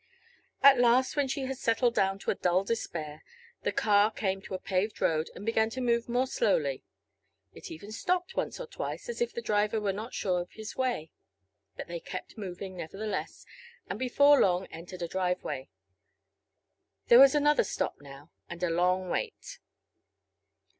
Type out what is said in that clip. At last, when she had settled down to dull despair, the car came to a paved road and began to move more slowly. It even stopped once or twice, as if the driver was not sure of his way. But they kept moving, nevertheless, and before long entered a driveway. There was another stop now, and a long wait.